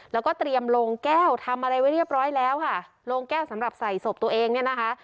แล้วก็เตรียมโรงแก้วทำอะไรไว้เรียบร้อยแล้วค่ะโรงแก้วสำหรับใส่ศพตัวเองเนี่ยนะคะ